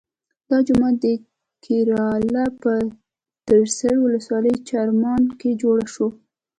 دا جومات د کیراله په تریسر ولسوالۍ چرامان کې جوړ شو.